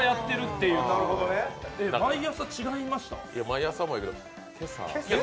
毎朝、違いました？